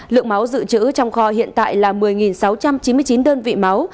lượng máu dự trữ trong kho hiện tại là một mươi sáu trăm chín mươi chín đơn vị máu